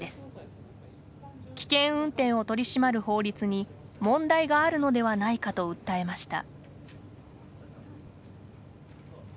危険運転を取り締まる法律に問題があるのではないかと訴えました。